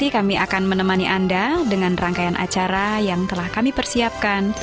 kami akan menemani anda dengan rangkaian acara yang telah kami persiapkan